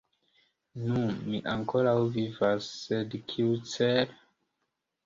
Nu, mi ankoraŭ vivas, sed kiucele?